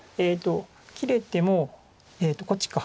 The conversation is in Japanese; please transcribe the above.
切れてもこっちか。